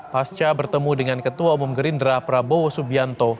pasca bertemu dengan ketua umum gerindra prabowo subianto